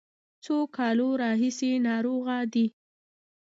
څو کالو راهیسې ناروغه دی.